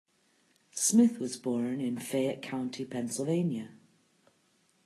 Smith was born in Fayette County, Pennsylvania.